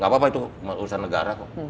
gak apa apa itu urusan negara kok